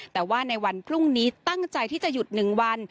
แต่ว่าในวันพรุ่งนี้ตั้งใจที่จะหยุด๑วัน